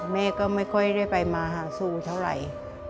แม่ก็ไม่ค่อยได้ไปมาหาสู่เท่าไหร่